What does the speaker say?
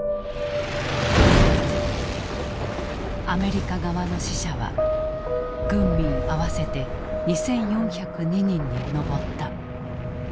アメリカ側の死者は軍民合わせて２，４０２人に上った。